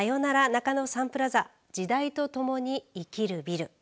中野サンプラザ時代とともに生きるビル。